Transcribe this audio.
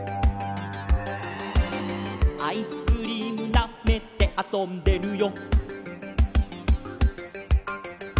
「アイスクリームなめてあそんでるよ」